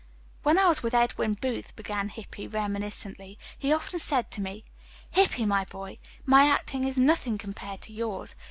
"When I was with Edwin Booth," began Hippy reminiscently, "he often said to me, 'Hippy, my boy, my acting is nothing compared to yours.